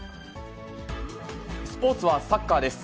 スポーツはサッカーです。